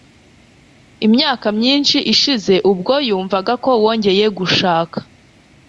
Imyaka myinshi ishize ubwo yumvaga Ko wongeye gushaka